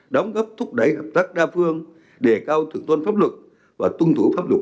đóng góp thúc đẩy hợp tác đa phương đề cao thượng tôn pháp luật và tuân thủ pháp luật